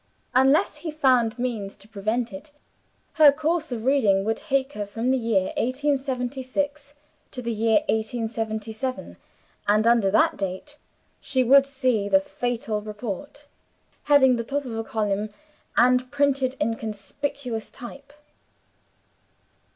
Unless he found means to prevent it, her course of reading would take her from the year 1876 to the year 1877, and under that date, she would see the fatal report, heading the top of a column, and printed in conspicuous type.